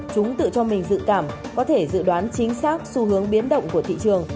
chúng tự cho mình dự cảm có thể dự đoán chính xác xu hướng biến động của thị trường